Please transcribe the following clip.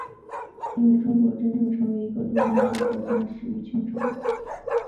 因为中国真正成为一个多民族国家始于清朝。